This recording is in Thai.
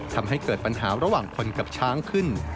ทำให้เกิดปัญหาระหว่างคนกับช้างขึ้น